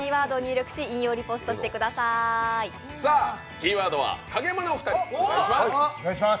キーワードはカゲヤマのお二人お願いします。